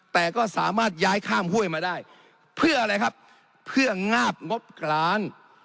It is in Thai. แต่ก็สามารถย้ายข้ามห้วยมาได้เพื่ออะไรครับเพื่องาบงบกลาง